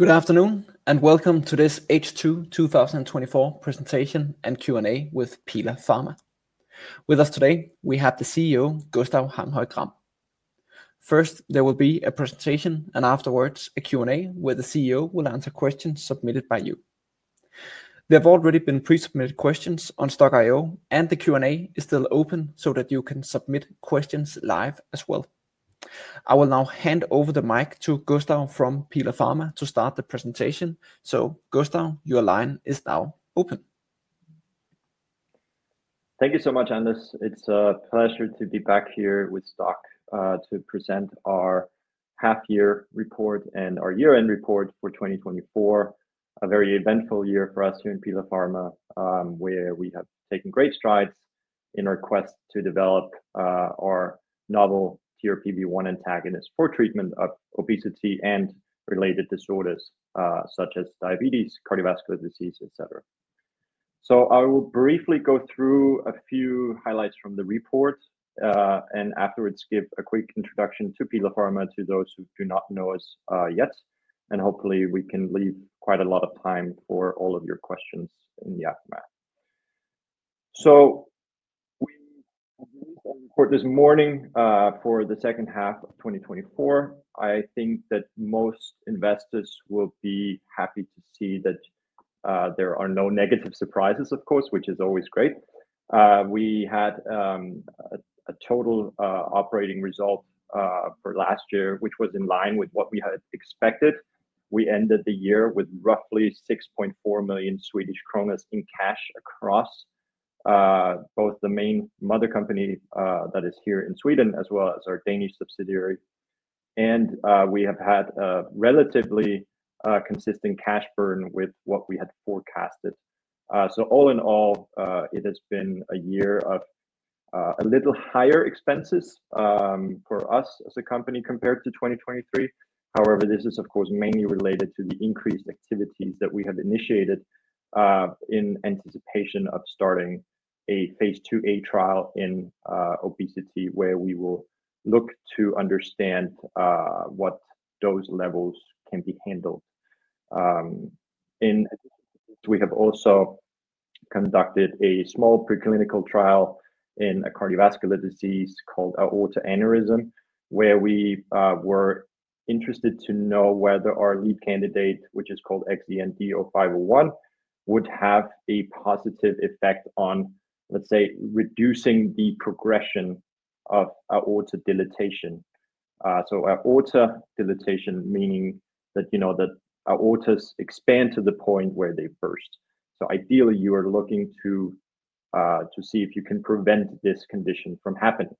Good afternoon, and welcome to this H2 2024 Presentation and Q&A with Pila Pharma. With us today, we have the CEO, Gustav Hanghøj Gram. First, there will be a presentation, and afterwards a Q&A where the CEO will answer questions submitted by you. There have already been pre-submitted questions on Stokk.io, and the Q&A is still open so that you can submit questions live as well. I will now hand over the mic to Gustav from Pila Pharma to start the presentation. Gustav, your line is now open. Thank you so much, Anders. It's a pleasure to be back here with Stokk to present our half-year report and our year-end report for 2024. A very eventful year for us here in Pila Pharma, where we have taken great strides in our quest to develop our novel TRPV1 antagonist for treatment of obesity and related disorders such as diabetes, cardiovascular disease, etc. I will briefly go through a few highlights from the report, and afterwards give a quick introduction to Pila Pharma to those who do not know us yet. Hopefully, we can leave quite a lot of time for all of your questions in the aftermath. We have released our report this morning for the second half of 2024. I think that most investors will be happy to see that there are no negative surprises, of course, which is always great. We had a total operating result for last year, which was in line with what we had expected. We ended the year with roughly 6.4 million Swedish kronor in cash across both the main mother company that is here in Sweden as well as our Danish subsidiary. We have had a relatively consistent cash burn with what we had forecasted. All in all, it has been a year of a little higher expenses for us as a company compared to 2023. However, this is, of course, mainly related to the increased activities that we have initiated in anticipation of starting a phase II-A trial in obesity, where we will look to understand what dose levels can be handled. In addition, we have also conducted a small preclinical trial in a cardiovascular disease called aortic aneurysm, where we were interested to know whether our lead candidate, which is called XEN-D0501, would have a positive effect on, let's say, reducing the progression of aortic dilatation. Aortic dilatation, meaning that aorta expands to the point where they burst. Ideally, you are looking to see if you can prevent this condition from happening.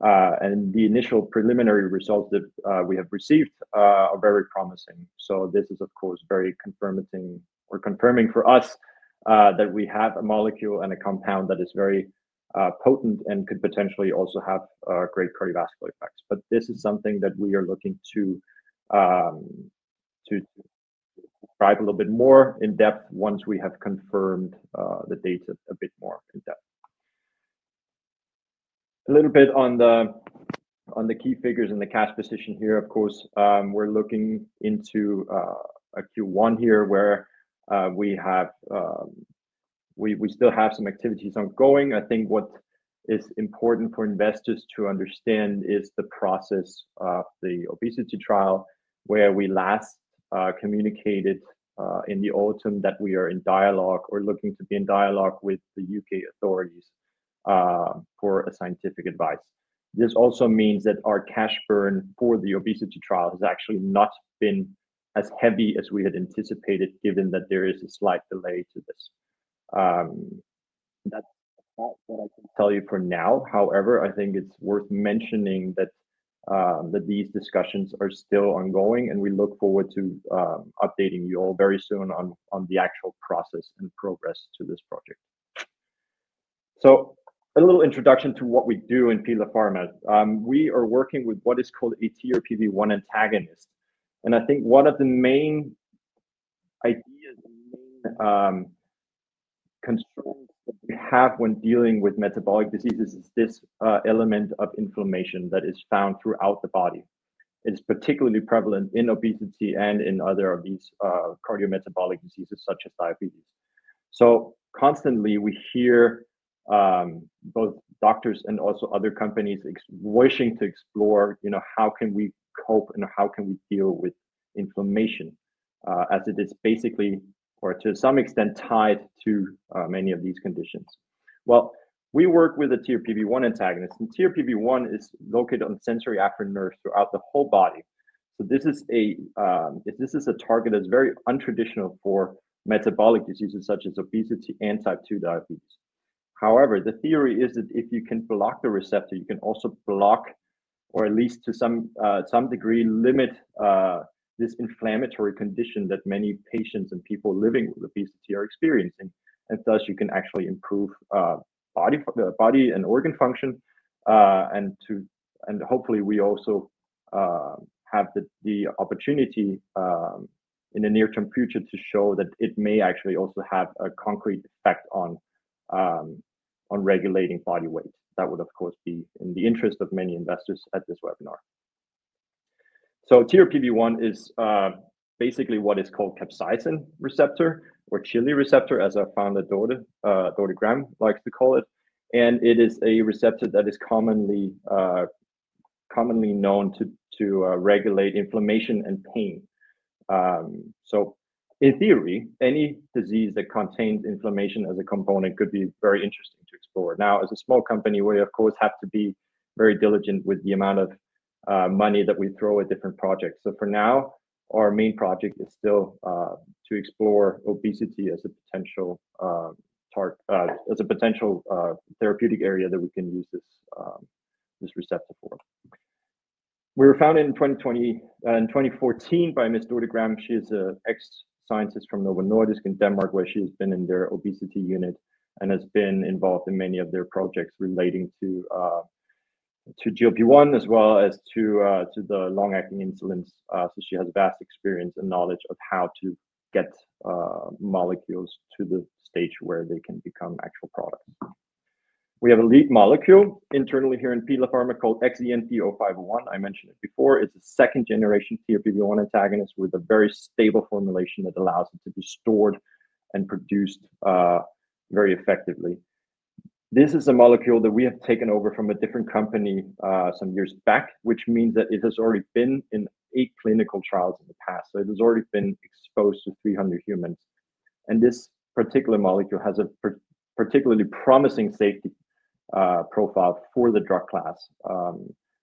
The initial preliminary results that we have received are very promising. This is, of course, very confirming for us that we have a molecule and a compound that is very potent and could potentially also have great cardiovascular effects. This is something that we are looking to describe a little bit more in depth once we have confirmed the data a bit more in depth. A little bit on the key figures in the cash position here, of course, we're looking into a Q1 here where we still have some activities ongoing. I think what is important for investors to understand is the process of the obesity trial, where we last communicated in the autumn that we are in dialogue or looking to be in dialogue with the U.K. authorities for scientific advice. This also means that our cash burn for the obesity trial has actually not been as heavy as we had anticipated, given that there is a slight delay to this. That's what I can tell you for now. However, I think it's worth mentioning that these discussions are still ongoing, and we look forward to updating you all very soon on the actual process and progress to this project. A little introduction to what we do in Pila Pharma. We are working with what is called a TRPV1 antagonist. I think one of the main ideas and main concerns that we have when dealing with metabolic diseases is this element of inflammation that is found throughout the body. It is particularly prevalent in obesity and in other obese cardiometabolic diseases such as diabetes. Constantly, we hear both doctors and also other companies wishing to explore how can we cope and how can we deal with inflammation as it is basically, or to some extent, tied to many of these conditions. We work with a TRPV1 antagonist. TRPV1 is located on sensory neurons throughout the whole body. This is a target that is very untraditional for metabolic diseases such as obesity and type 2 diabetes. However, the theory is that if you can block the receptor, you can also block, or at least to some degree, limit this inflammatory condition that many patients and people living with obesity are experiencing. Thus, you can actually improve body and organ function. Hopefully, we also have the opportunity in the near-term future to show that it may actually also have a concrete effect on regulating body weight. That would, of course, be in the interest of many investors at this webinar. TRPV1 is basically what is called capsaicin receptor or chili receptor, as our founder, Dorte Gram, likes to call it. It is a receptor that is commonly known to regulate inflammation and pain. In theory, any disease that contains inflammation as a component could be very interesting to explore. Now, as a small company, we, of course, have to be very diligent with the amount of money that we throw at different projects. For now, our main project is still to explore obesity as a potential therapeutic area that we can use this receptor for. We were founded in 2014 by Ms. Dorte Gram. She is an ex-scientist from Novo Nordisk in Denmark, where she has been in their obesity unit and has been involved in many of their projects relating to GLP-1 as well as to the long-acting insulins. She has vast experience and knowledge of how to get molecules to the stage where they can become actual products. We have a lead molecule internally here in Pila Pharma called XEN-D0501. I mentioned it before. It's a second-generation TRPV1 antagonist with a very stable formulation that allows it to be stored and produced very effectively. This is a molecule that we have taken over from a different company some years back, which means that it has already been in eight clinical trials in the past. So it has already been exposed to 300 humans. And this particular molecule has a particularly promising safety profile for the drug class,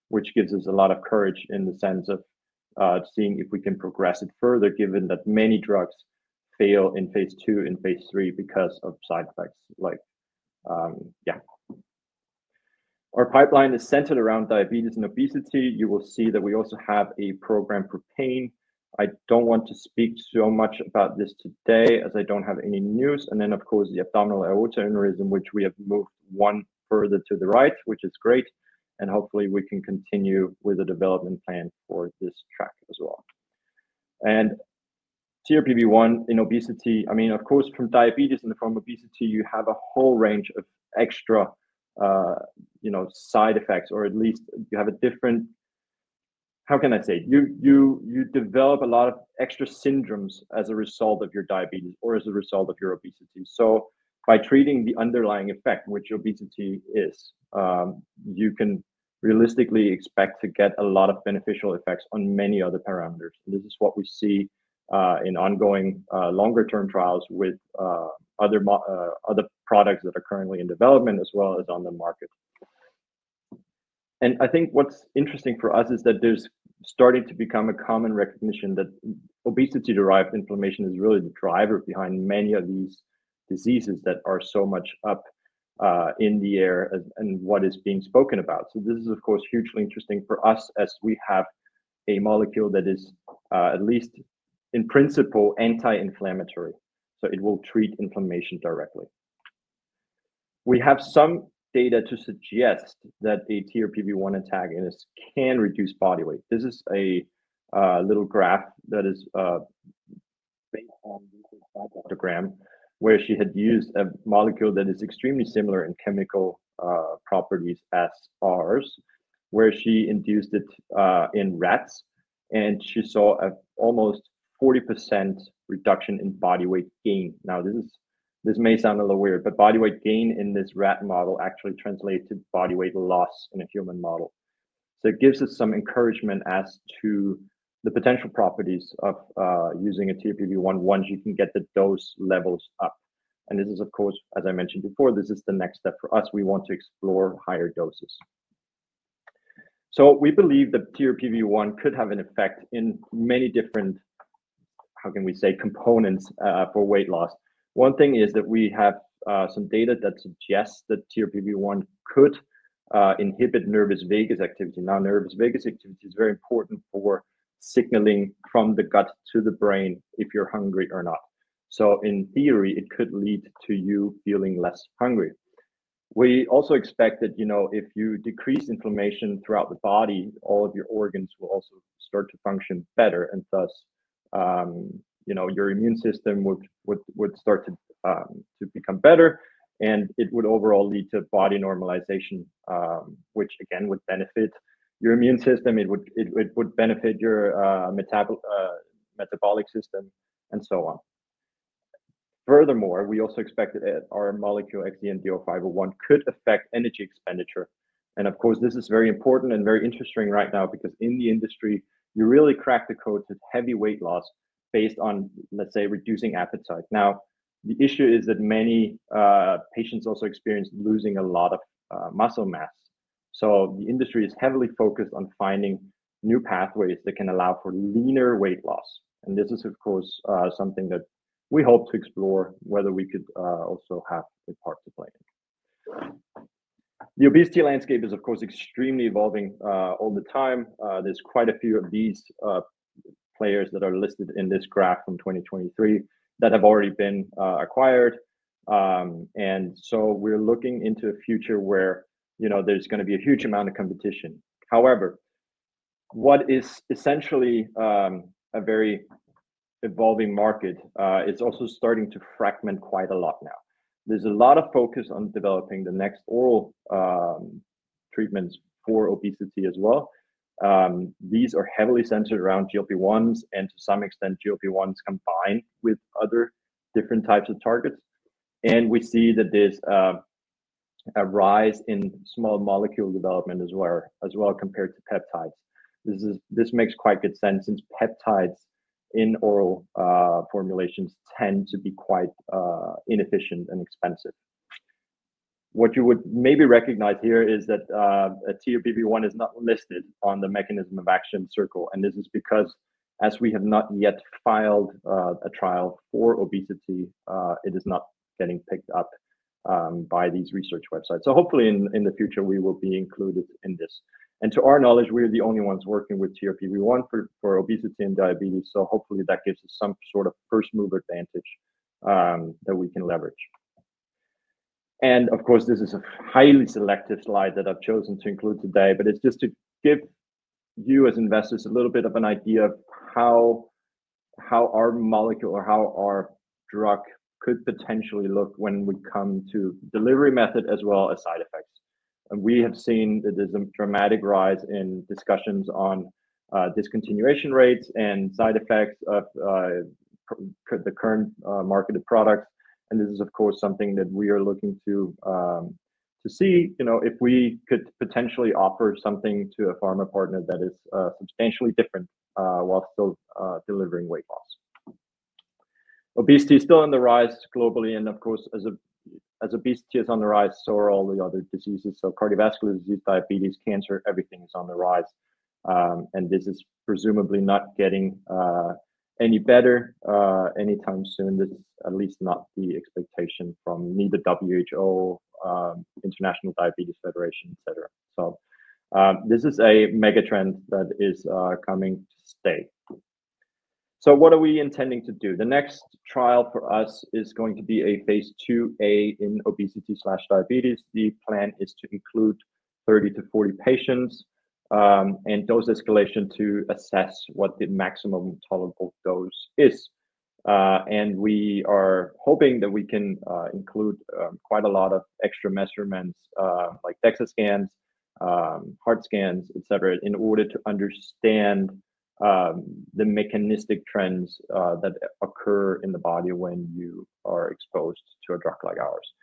which gives us a lot of courage in the sense of seeing if we can progress it further, given that many drugs fail in phase II and phase III because of side effects. Yeah. Our pipeline is centered around diabetes and obesity. You will see that we also have a program for pain. I don't want to speak so much about this today as I don't have any news. Of course, the abdominal aortic aneurysm, which we have moved one further to the right, which is great. Hopefully, we can continue with the development plan for this track as well. TRPV1 in obesity, I mean, of course, from diabetes in the form of obesity, you have a whole range of extra side effects, or at least you have a different, how can I say, you develop a lot of extra syndromes as a result of your diabetes or as a result of your obesity. By treating the underlying effect, which obesity is, you can realistically expect to get a lot of beneficial effects on many other parameters. This is what we see in ongoing longer-term trials with other products that are currently in development as well as on the market. I think what's interesting for us is that there's starting to become a common recognition that obesity-derived inflammation is really the driver behind many of these diseases that are so much up in the air and what is being spoken about. This is, of course, hugely interesting for us as we have a molecule that is at least in principle anti-inflammatory. It will treat inflammation directly. We have some data to suggest that a TRPV1 antagonist can reduce body weight. This is a little graph that is based on Dr. Gram, where she had used a molecule that is extremely similar in chemical properties as ours, where she induced it in rats. She saw an almost 40% reduction in body weight gain. Now, this may sound a little weird, but body weight gain in this rat model actually translates to body weight loss in a human model. It gives us some encouragement as to the potential properties of using a TRPV1 once you can get the dose levels up. This is, of course, as I mentioned before, the next step for us. We want to explore higher doses. We believe that TRPV1 could have an effect in many different, how can we say, components for weight loss. One thing is that we have some data that suggests that TRPV1 could inhibit nervus vagus activity. Nervus vagus activity is very important for signaling from the gut to the brain if you're hungry or not. In theory, it could lead to you feeling less hungry. We also expect that if you decrease inflammation throughout the body, all of your organs will also start to function better. Thus, your immune system would start to become better. It would overall lead to body normalization, which again would benefit your immune system. It would benefit your metabolic system and so on. Furthermore, we also expect that our molecule XEN-D0501 could affect energy expenditure. Of course, this is very important and very interesting right now because in the industry, you really crack the code to heavy weight loss based on, let's say, reducing appetite. Now, the issue is that many patients also experience losing a lot of muscle mass. The industry is heavily focused on finding new pathways that can allow for leaner weight loss. This is, of course, something that we hope to explore whether we could also have a part to play in. The obesity landscape is, of course, extremely evolving all the time. There are quite a few of these players that are listed in this graph from 2023 that have already been acquired. We are looking into a future where there is going to be a huge amount of competition. However, what is essentially a very evolving market is also starting to fragment quite a lot now. There is a lot of focus on developing the next oral treatments for obesity as well. These are heavily centered around GLP-1s and to some extent GLP-1s combined with other different types of targets. We see that there is a rise in small molecule development as well compared to peptides. This makes quite good sense since peptides in oral formulations tend to be quite inefficient and expensive. What you would maybe recognize here is that TRPV1 is not listed on the mechanism of action circle. This is because as we have not yet filed a trial for obesity, it is not getting picked up by these research websites. Hopefully in the future, we will be included in this. To our knowledge, we're the only ones working with TRPV1 for obesity and diabetes. Hopefully that gives us some sort of first mover advantage that we can leverage. Of course, this is a highly selective slide that I've chosen to include today, but it's just to give you as investors a little bit of an idea of how our molecule or how our drug could potentially look when we come to delivery method as well as side effects. We have seen that there's a dramatic rise in discussions on discontinuation rates and side effects of the current marketed products. This is, of course, something that we are looking to see if we could potentially offer something to a pharma partner that is substantially different while still delivering weight loss. Obesity is still on the rise globally. Of course, as obesity is on the rise, so are all the other diseases. Cardiovascular disease, diabetes, cancer, everything is on the rise. This is presumably not getting any better anytime soon. This is at least not the expectation from neither WHO, International Diabetes Federation, etc. This is a mega trend that is coming to stay. What are we intending to do? The next trial for us is going to be a phase II-A in obesity/diabetes. The plan is to include 30-40 patients and dose escalation to assess what the maximum tolerable dose is. We are hoping that we can include quite a lot of extra measurements like DEXA scans, heart scans, etc., in order to understand the mechanistic trends that occur in the body when you are exposed to a drug like ours.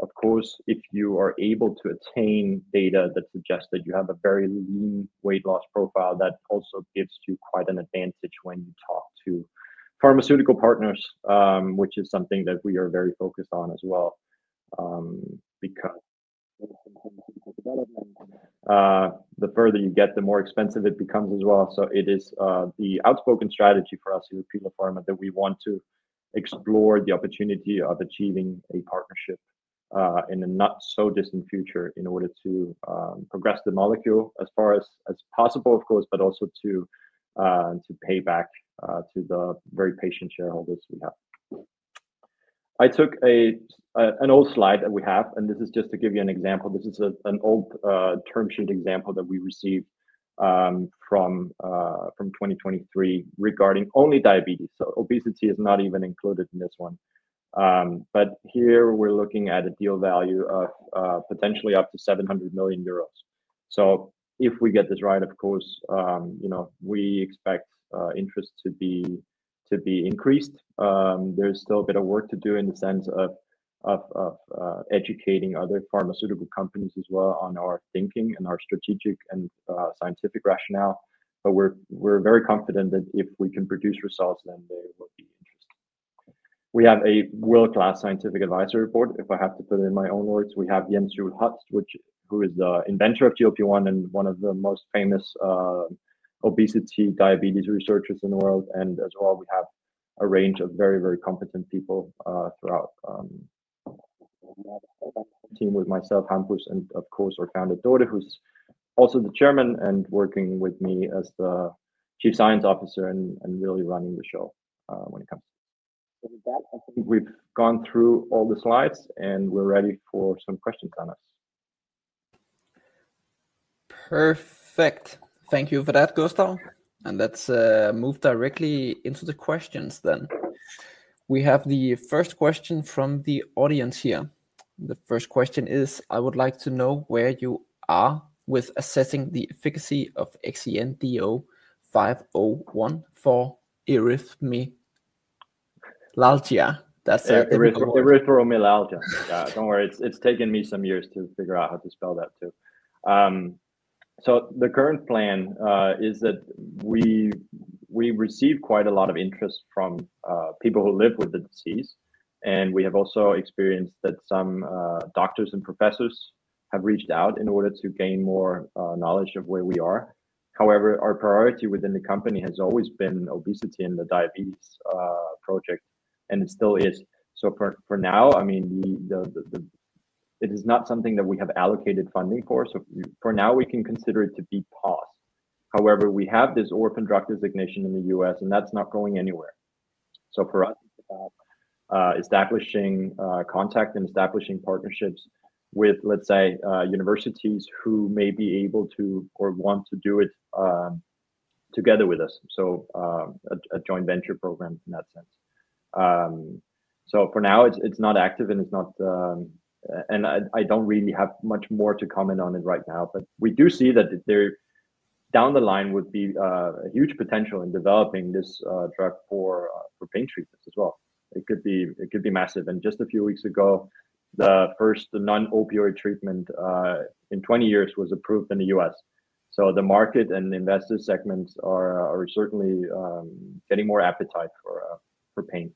Of course, if you are able to attain data that suggests that you have a very lean weight loss profile, that also gives you quite an advantage when you talk to pharmaceutical partners, which is something that we are very focused on as well. The further you get, the more expensive it becomes as well. It is the outspoken strategy for us here at Pila Pharma that we want to explore the opportunity of achieving a partnership in a not-so-distant future in order to progress the molecule as far as possible, of course, but also to pay back to the very patient shareholders we have. I took an old slide that we have, and this is just to give you an example. This is an old term sheet example that we received from 2023 regarding only diabetes. Obesity is not even included in this one. Here we are looking at a deal value of potentially up to 700 million euros. If we get this right, of course, we expect interest to be increased. There is still a bit of work to do in the sense of educating other pharmaceutical companies as well on our thinking and our strategic and scientific rationale. We are very confident that if we can produce results, then they will be interested. We have a world-class scientific advisory board. If I have to put it in my own words, we have Jens Juul Holst, who is the inventor of GLP-1 and one of the most famous obesity diabetes researchers in the world. As well, we have a range of very, very competent people throughout the team with myself, Hampus, and of course, our founder, Dorte, who's also the Chairman and working with me as the Chief Science Officer and really running the show when it comes to this. We've gone through all the slides, and we're ready for some questions Anders. Perfect. Thank you for that, Gustav. Let's move directly into the questions then. We have the first question from the audience here. The first question is, I would like to know where you are with assessing the efficacy of XEN-D0501 for Erythromelalgia. That's Erythromelalgia. Don't worry. It's taken me some years to figure out how to spell that too. The current plan is that we receive quite a lot of interest from people who live with the disease. We have also experienced that some doctors and professors have reached out in order to gain more knowledge of where we are. However, our priority within the company has always been obesity and the diabetes project, and it still is. For now, I mean, it is not something that we have allocated funding for. For now, we can consider it to be paused. However, we have this Orphan Drug Designation in the U.S., and that's not going anywhere. For us, it's about establishing contact and establishing partnerships with, let's say, universities who may be able to or want to do it together with us. A joint venture program in that sense. For now, it's not active and it's not, and I don't really have much more to comment on it right now. We do see that down the line would be a huge potential in developing this drug for pain treatments as well. It could be massive. Just a few weeks ago, the first non-opioid treatment in 20 years was approved in the U.S. The market and investor segments are certainly getting more appetite for pain.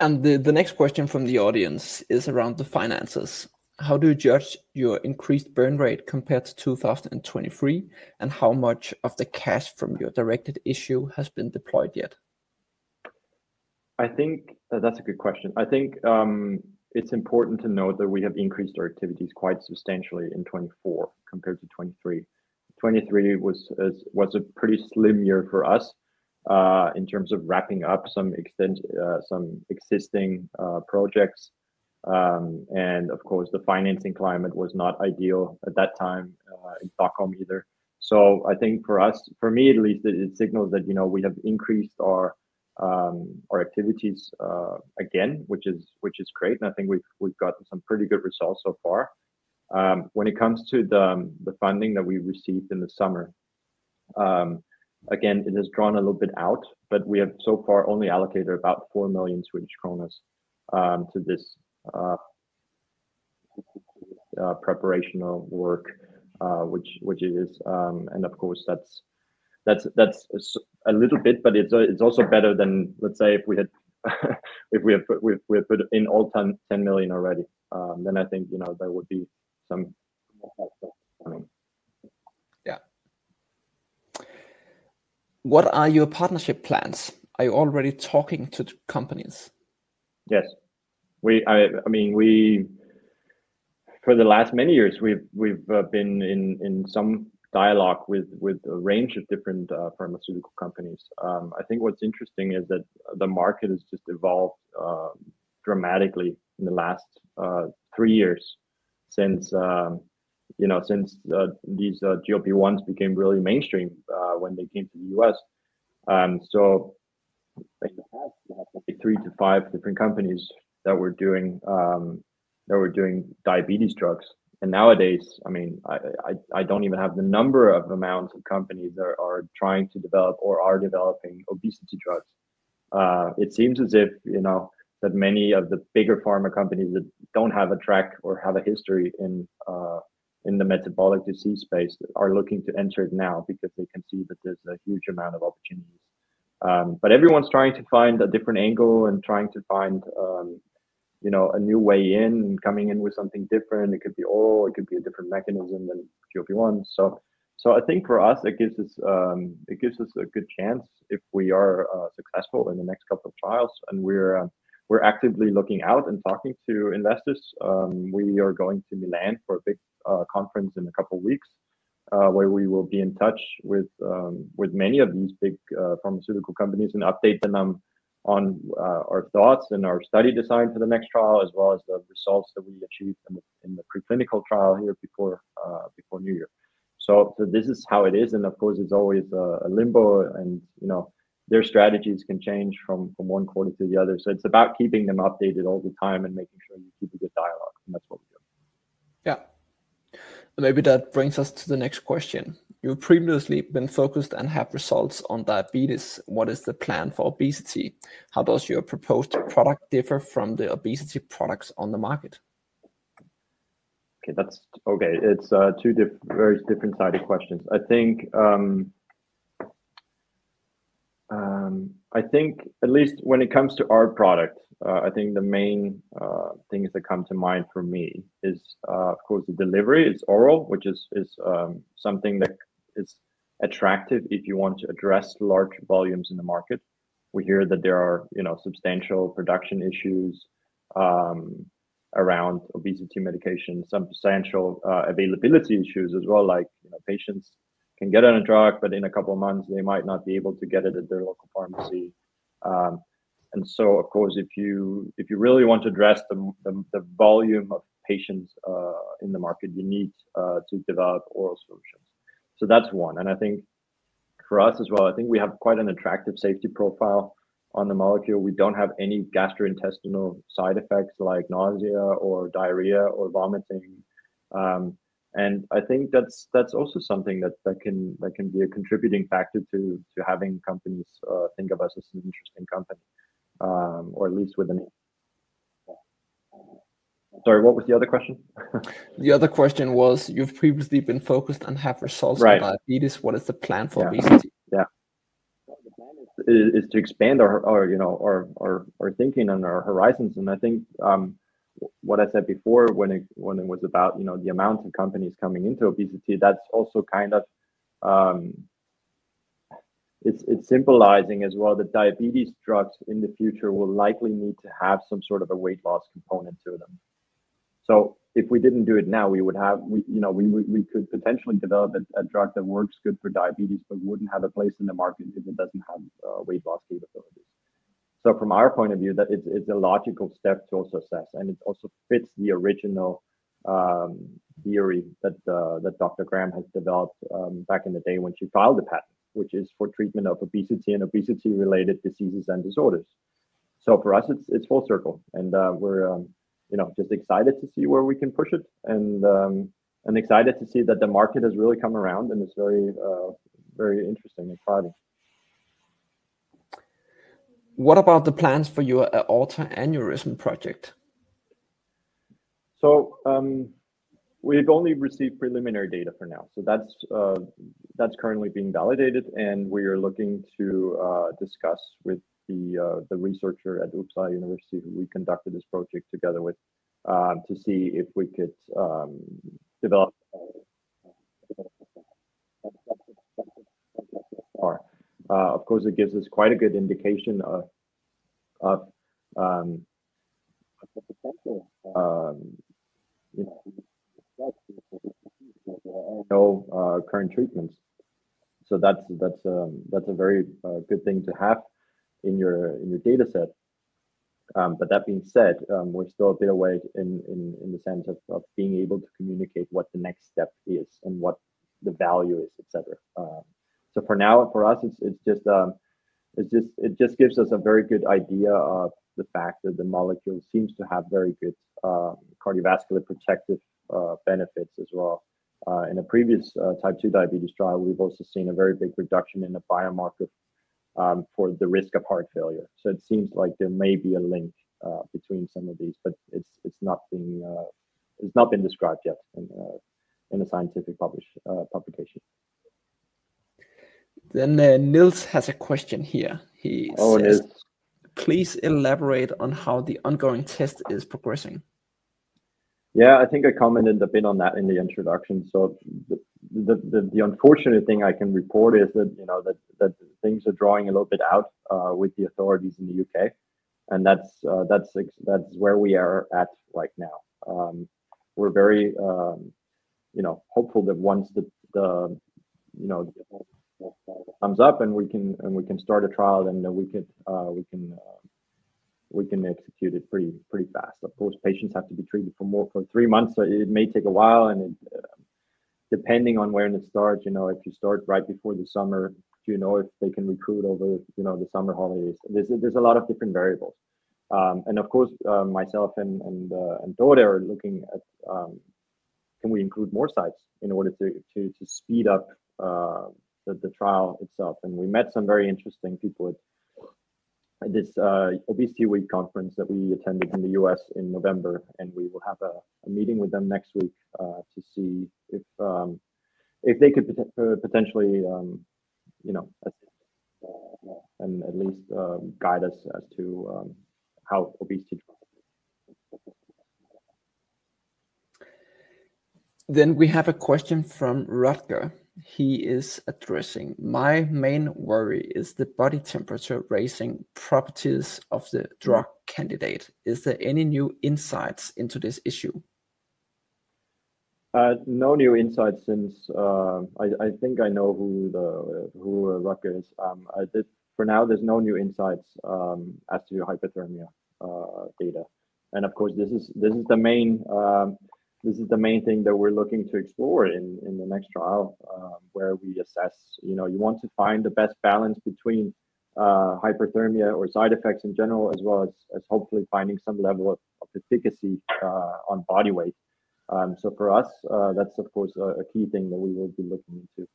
Yeah. The next question from the audience is around the finances. How do you judge your increased burn rate compared to 2023, and how much of the cash from your directed issue has been deployed yet? I think that's a good question. I think it's important to note that we have increased our activities quite substantially in 2024 compared to 2023. 2023 was a pretty slim year for us in terms of wrapping up some existing projects. Of course, the financing climate was not ideal at that time in Stockholm either. I think for us, for me at least, it signals that we have increased our activities again, which is great. I think we've gotten some pretty good results so far. When it comes to the funding that we received in the summer, again, it has drawn a little bit out, but we have so far only allocated about 4 million Swedish kronor to this preparational work, which it is. Of course, that's a little bit, but it's also better than, let's say, if we had put in all 10 million already. I think there would be some more help for us coming. Yeah. What are your partnership plans? Are you already talking to companies? Yes. I mean, for the last many years, we've been in some dialogue with a range of different pharmaceutical companies. I think what's interesting is that the market has just evolved dramatically in the last three years since these GLP-1s became really mainstream when they came to the U.S. In the past, we had maybe three to five different companies that were doing diabetes drugs. Nowadays, I mean, I don't even have the number of amounts of companies that are trying to develop or are developing obesity drugs. It seems as if many of the bigger pharma companies that don't have a track or have a history in the metabolic disease space are looking to enter it now because they can see that there's a huge amount of opportunities. Everyone's trying to find a different angle and trying to find a new way in and coming in with something different. It could be oral. It could be a different mechanism than GLP-1. I think for us, it gives us a good chance if we are successful in the next couple of trials. We are actively looking out and talking to investors. We are going to Milan for a big conference in a couple of weeks where we will be in touch with many of these big pharmaceutical companies and update them on our thoughts and our study design for the next trial as well as the results that we achieved in the preclinical trial here before New Year. This is how it is. Of course, it's always a limbo. Their strategies can change from one quarter to the other. It's about keeping them updated all the time and making sure you keep a good dialogue. That's what we do. Maybe that brings us to the next question. You've previously been focused and have results on diabetes. What is the plan for obesity? How does your proposed product differ from the obesity products on the market? Okay. That's okay. It's two very different sides of questions. I think at least when it comes to our product, I think the main things that come to mind for me is, of course, the delivery. It's oral, which is something that is attractive if you want to address large volumes in the market. We hear that there are substantial production issues around obesity medication, some substantial availability issues as well, like patients can get on a drug, but in a couple of months, they might not be able to get it at their local pharmacy. Of course, if you really want to address the volume of patients in the market, you need to develop oral solutions. So that's one. I think for us as well, I think we have quite an attractive safety profile on the molecule. We do not have any gastrointestinal side effects like nausea or diarrhea or vomiting. I think that is also something that can be a contributing factor to having companies think of us as an interesting company, or at least with a name. Sorry, what was the other question? The other question was, you have previously been focused and have results for diabetes. What is the plan for obesity? Yeah. The plan is to expand our thinking and our horizons. I think what I said before when it was about the amount of companies coming into obesity, that is also kind of symbolizing as well that diabetes drugs in the future will likely need to have some sort of a weight loss component to them. If we didn't do it now, we could potentially develop a drug that works good for diabetes, but wouldn't have a place in the market if it doesn't have weight loss capabilities. From our point of view, it's a logical step to also assess. It also fits the original theory that Dr. Gram has developed back in the day when she filed the patent, which is for treatment of obesity and obesity-related diseases and disorders. For us, it's full circle. We're just excited to see where we can push it and excited to see that the market has really come around and is very interesting and thriving. What about the plans for your aortic aneurysm project? We've only received preliminary data for now. That's currently being validated. We are looking to discuss with the researcher at Uppsala University who we conducted this project together with to see if we could develop. Of course, it gives us quite a good indication of no current treatments. That is a very good thing to have in your dataset. That being said, we are still a bit away in the sense of being able to communicate what the next step is and what the value is, etc. For now, for us, it just gives us a very good idea of the fact that the molecule seems to have very good cardiovascular protective benefits as well. In a previous type 2 diabetes trial, we have also seen a very big reduction in the biomarker for the risk of heart failure. It seems like there may be a link between some of these, but it's not been described yet in a scientific publication. Nils has a question here. He says, please elaborate on how the ongoing test is progressing? Yeah, I think I commented a bit on that in the introduction. The unfortunate thing I can report is that things are drawing a little bit out with the authorities in the U.K. That's where we are at right now. We're very hopeful that once the thumbs up and we can start a trial, then we can execute it pretty fast. Of course, patients have to be treated for three months. It may take a while. Depending on when it starts, if you start right before the summer, do you know if they can recruit over the summer holidays? There's a lot of different variables. Of course, myself and Dorte are looking at can we include more sites in order to speed up the trial itself. We met some very interesting people at this ObesityWeek conference that we attended in the US in November. We will have a meeting with them next week to see if they could potentially at least guide us as to how obesity trials. We have a question from Rutger. He is addressing, my main worry is the body temperature raising properties of the drug candidate. Is there any new insights into this issue? No new insights since. I think I know who Rutger is. For now, there's no new insights as to hyperthermia data. Of course, this is the main thing that we're looking to explore in the next trial where we assess. You want to find the best balance between hyperthermia or side effects in general, as well as hopefully finding some level of efficacy on body weight. For us, that's, of course, a key thing that we will be looking into.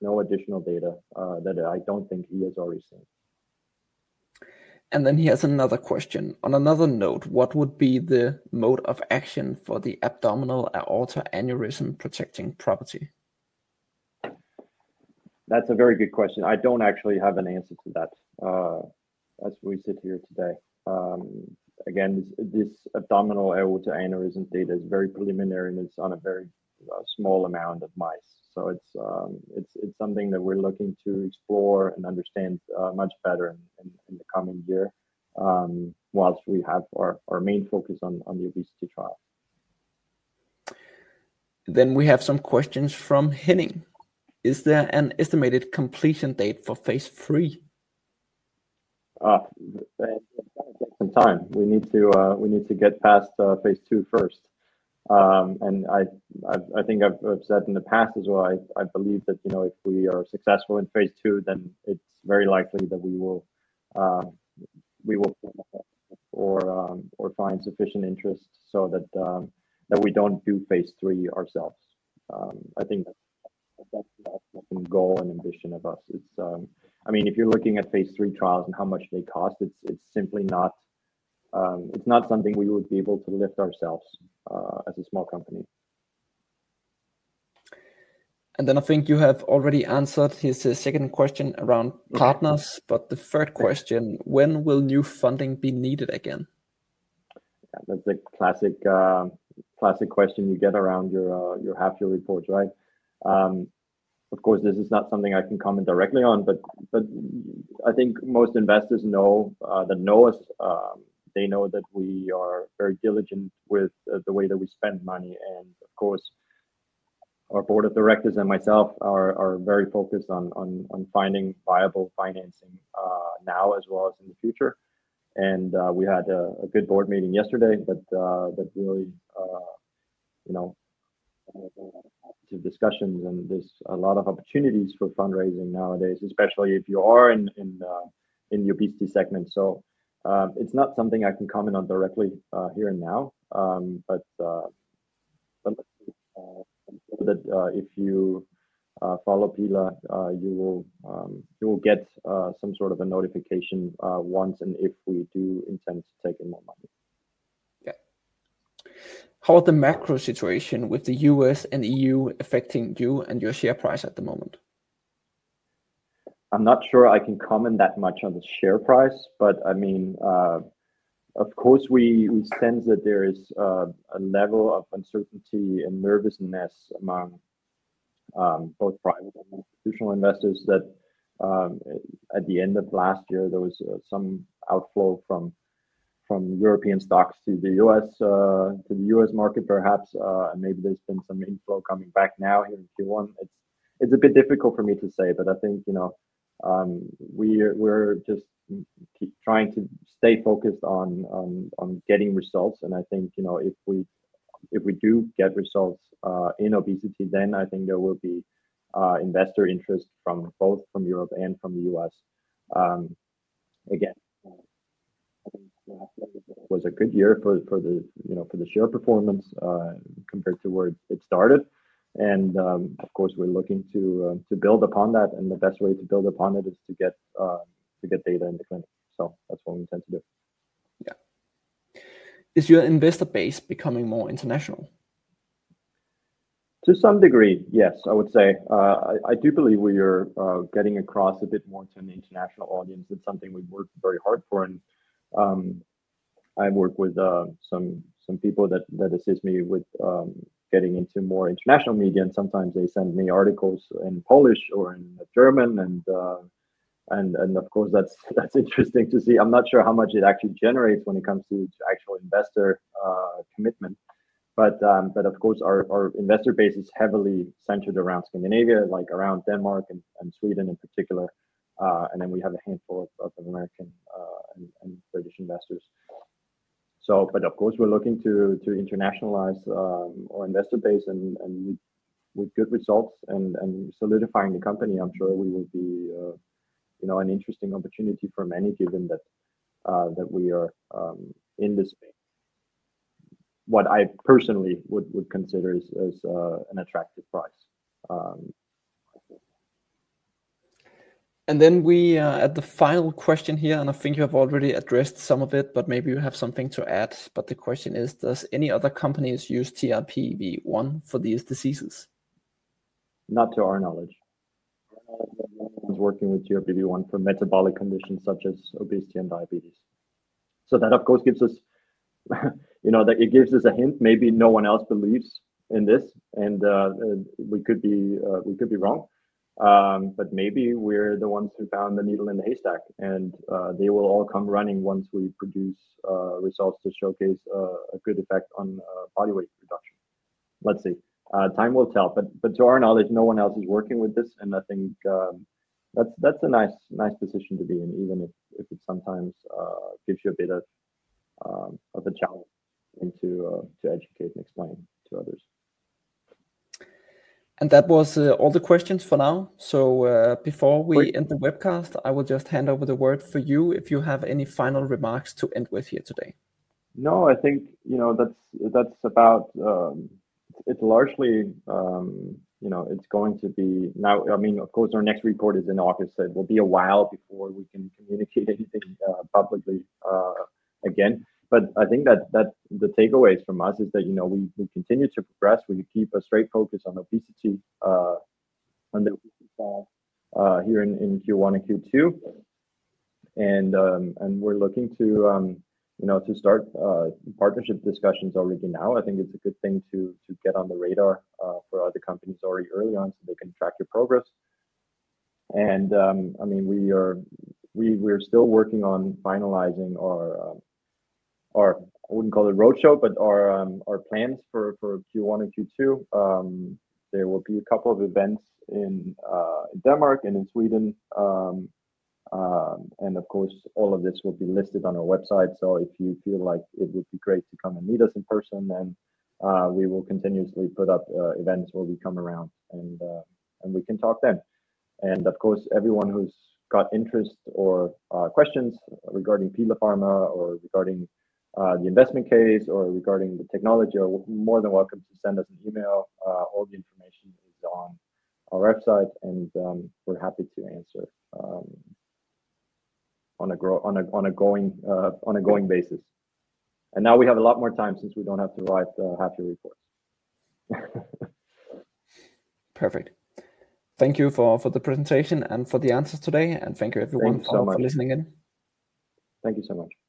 No additional data that I don't think he has already seen. He has another question. On another note, what would be the mode of action for the abdominal aortic aneurysm protecting property? That's a very good question. I don't actually have an answer to that as we sit here today. Again, this abdominal aortic aneurysm data is very preliminary, and it's on a very small amount of mice. It's something that we're looking to explore and understand much better in the coming year whilst we have our main focus on the obesity trial. We have some questions from Henning. Is there an estimated completion date for phase III? It's going to take some time. We need to get past phase II first. I think I've said in the past as well, I believe that if we are successful in phase II, then it's very likely that we will find sufficient interest so that we don't do phase III ourselves. I think that's the goal and ambition of us. I mean, if you're looking at phase III trials and how much they cost, it's simply not something we would be able to lift ourselves as a small company. I think you have already answered his second question around partners. The third question, when will new funding be needed again? That's a classic question you get around your half-year reports, right? Of course, this is not something I can comment directly on, but I think most investors know that now, they know that we are very diligent with the way that we spend money. Of course, our Board of Directors and myself are very focused on finding viable financing now as well as in the future. We had a good board meeting yesterday that really had some discussions. There are a lot of opportunities for fundraising nowadays, especially if you are in the obesity segment. It is not something I can comment on directly here and now. If you follow Pila, you will get some sort of a notification once and if we do intend to take in more money. Yeah. How about the macro situation with the U.S. and EU affecting you and your share price at the moment? I'm not sure I can comment that much on the share price, but I mean, of course, we sense that there is a level of uncertainty and nervusness among both private and institutional investors that at the end of last year, there was some outflow from European stocks to the U.S. market, perhaps. Maybe there's been some inflow coming back now here in Q1. It's a bit difficult for me to say, but I think we're just trying to stay focused on getting results. I think if we do get results in obesity, then I think there will be investor interest from both from Europe and from the U.S. Again, it was a good year for the share performance compared to where it started. Of course, we're looking to build upon that. The best way to build upon it is to get data in the clinic. That's what we intend to do. Yeah. Is your investor base becoming more international? To some degree, yes, I would say. I do believe we are getting across a bit more to an international audience. It's something we've worked very hard for. I work with some people that assist me with getting into more international media. Sometimes they send me articles in Polish or in German. Of course, that's interesting to see. I'm not sure how much it actually generates when it comes to actual investor commitment. Of course, our investor base is heavily centered around Scandinavia, like around Denmark and Sweden in particular. We have a handful of American and British investors. Of course, we're looking to internationalize our investor base and with good results and solidifying the company, I'm sure we will be an interesting opportunity for many given that we are in this space. What I personally would consider is an attractive price. We are at the final question here. I think you have already addressed some of it, but maybe you have something to add. The question is, does any other companies use TRPV1 for these diseases? Not to our knowledge. No one's working with TRPV1 for metabolic conditions such as obesity and diabetes. That, of course, gives us a hint. Maybe no one else believes in this. We could be wrong. Maybe we're the ones who found the needle in the haystack. They will all come running once we produce results to showcase a good effect on body weight reduction. Let's see. Time will tell. To our knowledge, no one else is working with this. I think that's a nice position to be in, even if it sometimes gives you a bit of a challenge to educate and explain to others. That was all the questions for now. Before we end the webcast, I will just hand over the word for you if you have any final remarks to end with here today. No, I think that's about it, largely it's going to be now. I mean, of course, our next report is in August. It will be a while before we can communicate anything publicly again. I think that the takeaways from us is that we continue to progress. We keep a straight focus on obesity here in Q1 and Q2. We are looking to start partnership discussions already now. I think it's a good thing to get on the radar for other companies already early on so they can track your progress. I mean, we are still working on finalizing our, I wouldn't call it roadshow, but our plans for Q1 and Q2. There will be a couple of events in Denmark and in Sweden. Of course, all of this will be listed on our website. If you feel like it would be great to come and meet us in person, we will continuously put up events where we come around and we can talk then. Of course, everyone who's got interest or questions regarding Pila Pharma or regarding the investment case or regarding the technology are more than welcome to send us an email. All the information is on our website, and we're happy to answer on a going basis. We have a lot more time now since we don't have to write half-year reports. Perfect. Thank you for the presentation and for the answers today. Thank you, everyone, for listening in. Thank you so much.